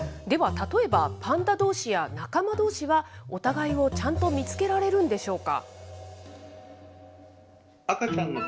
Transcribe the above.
例えば、パンダどうしや仲間どうしは、お互いをちゃんと見つけられるんでしょうか。